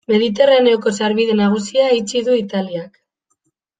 Mediterraneoko sarbide nagusia itxi du Italiak.